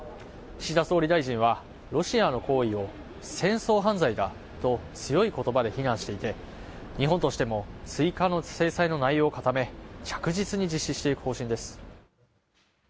岸田総理大臣は、ロシアの行為を戦争犯罪だと、強いことばで非難していて、日本としても、追加の制裁の内容を固め、着実に実施していく方針です。